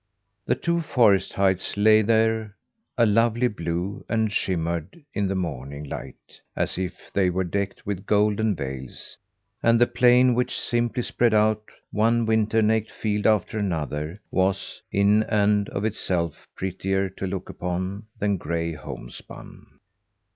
The two forest heights lay there, a lovely blue, and shimmered in the morning light, as if they were decked with golden veils; and the plain, which simply spread out one winter naked field after another, was, in and of itself, prettier to look upon than gray homespun.